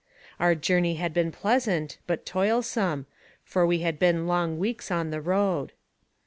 Our journey had been pleasant, but toilsome, for we had been long weeks on the road.